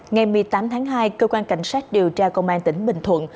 ngày một mươi tám tháng hai cơ quan cảnh sát điều tra công an tỉnh bình thuận